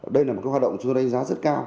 đây là một hoạt động chúng tôi đánh giá rất cao